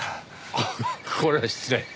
ああこれは失礼。